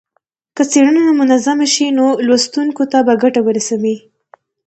که څېړنه منظمه شي نو لوستونکو ته به ګټه ورسوي.